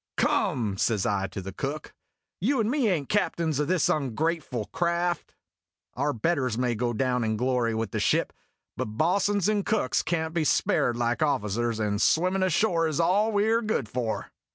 "Come," says I to the Cook, "you and me ain't captains o' this ungrateful craft. Our betters may go down in glory with the ship, but bo's'ns and cooks can't be spared like officers, and swimmin' ashore is all we 're good for."